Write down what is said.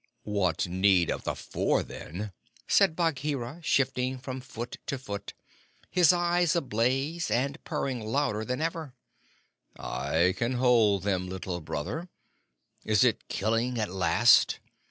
"What need of the Four, then?" said Bagheera, shifting from foot to foot, his eyes ablaze, and purring louder than ever. "I can hold them, Little Brother. Is it killing at last?